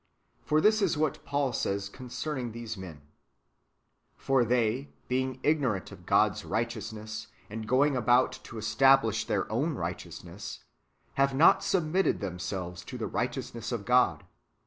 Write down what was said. For this is what Paul says concerning these men :" For they, being ignorant of God's righteousness, and going about to establish their own righteousness, have not submitted themselves to the righteousness of God.